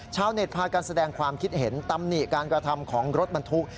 ชาวเน็ตพากันแสดงความคิดเห็นตำหนิการกระทำของรถบรรทุก